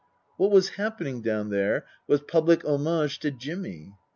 What was happening down there was public homage to Jimmy.